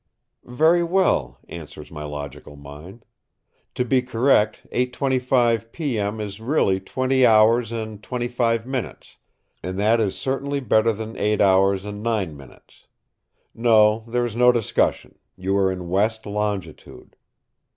"Very well," answers my logical mind. "To be correct, 8.25 P.M. is really twenty hours and twenty five minutes, and that is certainly better than eight hours and nine minutes. No, there is no discussion; you are in west longitude."